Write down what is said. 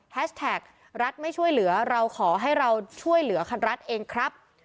แท็กรัฐไม่ช่วยเหลือเราขอให้เราช่วยเหลือคันรัฐเองครับ